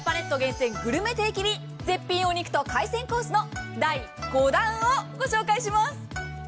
定期便、絶品お肉と海鮮コースの第５弾をご紹介します。